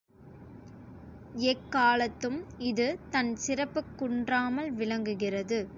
எக்காலத்தும் இது தன் சிறப்புக் குன்றாமல் விளங்குகிறது.